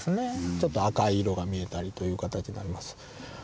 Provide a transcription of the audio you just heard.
ちょっと赤い色が見えたりという形になります。